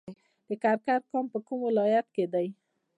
د کرکر کان په کوم ولایت کې دی؟